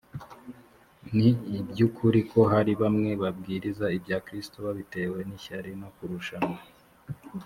ni iby ukuri ko hari bamwe babwiriza ibya kristo babitewe n’ishyari no kurushanwa